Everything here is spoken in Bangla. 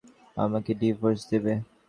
আমাকে ডিভোর্স দেবে?